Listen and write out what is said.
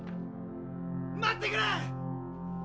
待ってくれ！！